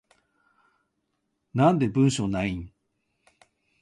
なんで文章ないん？